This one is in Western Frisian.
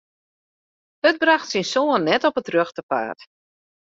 It brocht syn soan net op it rjochte paad.